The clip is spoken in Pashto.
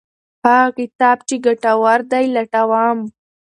هغه کتاب چې ګټور دی لټوم.